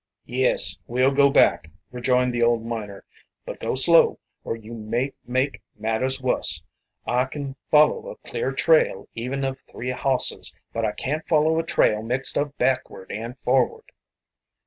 "Yes, we'll go back," rejoined the old miner. "But go slow, or you may make matters wuss. I kin follow a clear trail, even of three hosses, but I can't follow a trail mixed up backward an' forward."